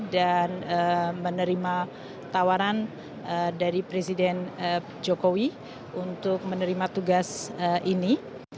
dan menerima tawaran dari presiden jokowi untuk menerima tugas ini